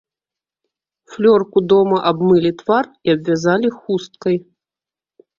Флёрку дома абмылі твар і абвязалі хусткай.